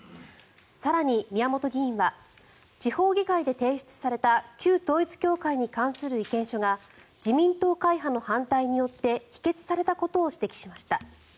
更に、宮本議員は地方議会で提出された旧統一教会に関する意見書が自民党会派の反対によって否決されたことを指摘しました。